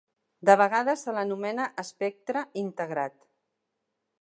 De vegades se l'anomena espectre integrat.